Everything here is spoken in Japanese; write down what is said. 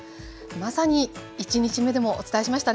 まさに１日目でもお伝えしましたね。